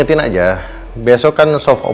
tapi aku ada saat siapa tau